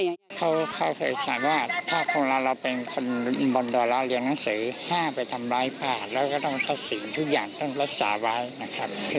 พี่โดนเครื่องบาลยีคุณส่งว่าเราเป็นคนบรรดาเรียนหนังสือห้ามไปทำร้อยผ่านและต้องศักดิ์สินทุกอย่างเป็นประสาปน์ไว้